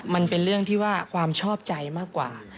มันเป็นเรื่องที่ว่าความชอบใจมากกว่า